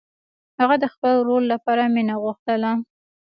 هغې د خپل ورور لپاره مینه غوښتله